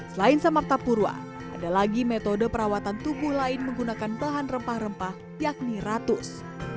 selain samarta purwa ada lagi metode perawatan tubuh lain menggunakan bahan rempah rempah yakni ratus